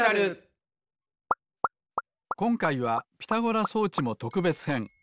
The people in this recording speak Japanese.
こんかいはピタゴラそうちもとくべつへん。